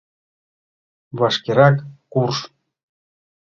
— Вашкерак курж!